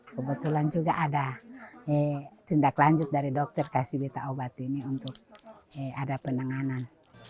kebetulan juga ada tindak lanjut dari dokter kasih obat ini untuk ada penanganan